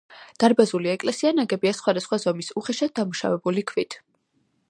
დარბაზული ეკლესია ნაგებია სხვადასხვა ზომის უხეშად დამუშავებული ქვით.